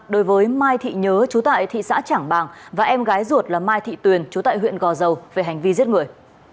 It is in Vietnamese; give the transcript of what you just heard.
đối với mai thị nhớ chú tại thị xã trảng bàng và em gái ruột là mai thị tuyền chú tại huyện gò dầu về hành vi giết người